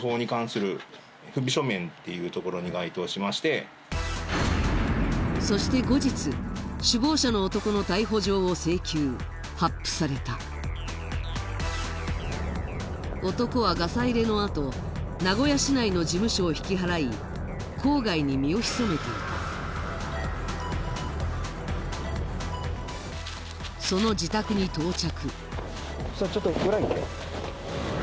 さらにそして後日首謀者の男の発付された男はガサ入れのあと名古屋市内の事務所を引き払い郊外に身を潜めていたその自宅に到着